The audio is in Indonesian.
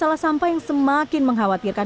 salah sampah yang semakin mengkhawatirkan